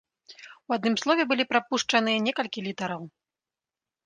У адным слове былі прапушчаныя некалькі літараў.